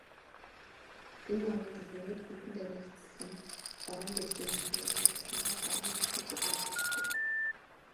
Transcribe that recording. Энэ намын тэргүүнүүд хүйтэн дайныг эцэслэн баруун Берлиний ханыг нурааснаараа барууны ертөнцөд үнэлэгддэг.